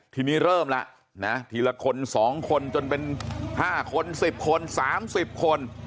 ทีนี้เริ่มละนะทีละคนสองคนจนเป็นห้าคนสิบคนสามสิบคน